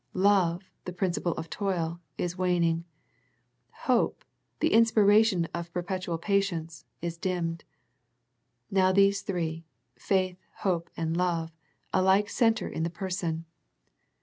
Love, the principle of toil, is waning. Hope, the in spiration of perpetual patience, is dimmed. Now these three, faith, hope, and love alike centre in the Person.